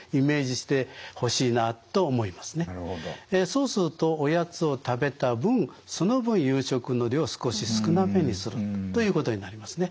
そうするとおやつを食べた分その分夕食の量を少し少なめにするということになりますね。